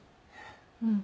うん。